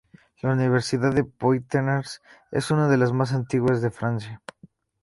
La universidad de Poitiers es una de las más antiguas de Francia.